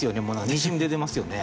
にじみ出てますよね。